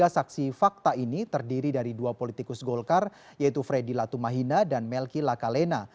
tiga saksi fakta ini terdiri dari dua politikus golkar yaitu freddy latumahina dan melki lakalena